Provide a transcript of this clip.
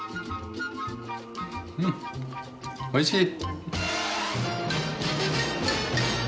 うんおいしい！